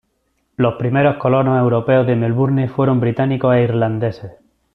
Los primeros colonos europeos de Melbourne fueron británicos e irlandeses.